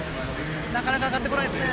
なかなか上がってこないですね。